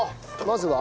まずは？